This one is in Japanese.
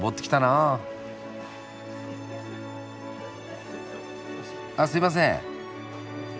あっすいません。